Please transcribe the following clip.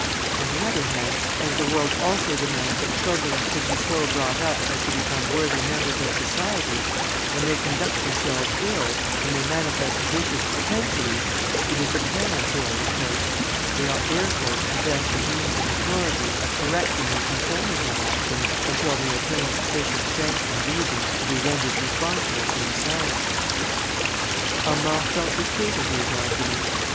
On the other hand, as the world also demands that children should be so brought up, as to become worthy members of society, when they conduct themselves ill, when they manifest vicious propensities, it is the parents who are reproached: they ought therefore to possess the means and authority of correcting and controlling their actions, until they attain sufficient strength and reason to be rendered responsible for themselves." Armand felt the truth of these arguments.